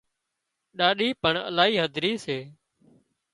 ڏاڏِي پڻ الاهي هڌري سي